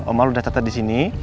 om al udah catat di sini